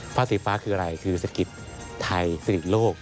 ฟ้าสีฟ้าคืออะไรคือเศรษฐกิจไทยเศรษฐกิจโลก